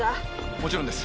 もちろんです。